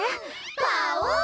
パオン！